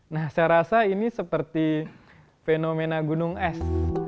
nah saya rasa ini seperti fenomena gunung es